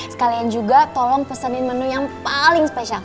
sekalian juga tolong pesenin menu yang paling spesial